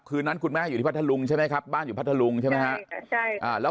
คืนนั้นคุณแม่อยู่ที่พัทธลุงใช่ไหมครับบ้านอยู่พัทธลุงใช่ไหมครับ